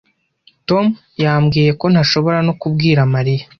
Tom yambwiye ko ntashobora no kubwira Mariya.